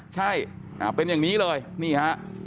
ใช่เป็นอย่างนี้เลยนี่ฮะ